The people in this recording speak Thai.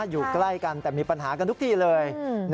อยู่ใกล้กันแต่มีปัญหากันทุกที่เลย